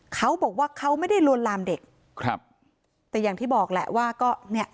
เขาบอกว่าเขาไม่ได้ลวนลามเด็กครับแต่อย่างที่บอกแหละว่าก็เนี่ย